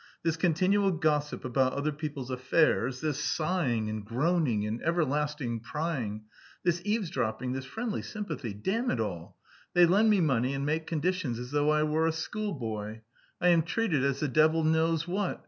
"This continual gossip about other people's affairs, this sighing and groaning and everlasting prying, this eavesdropping, this friendly sympathy ... damn it all! They lend me money and make conditions as though I were a schoolboy! I am treated as the devil knows what!